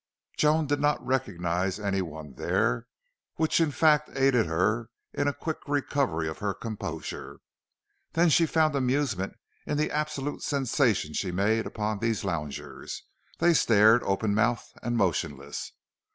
Joan did not recognize any one there, which fact aided her in a quick recovery of her composure. Then she found amusement in the absolute sensation she made upon these loungers. They stared, open mouthed and motionless.